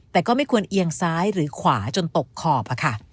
แต่ก็ไม่ควรเอียงซ้ายหรือขวาจนตกขอบค่ะ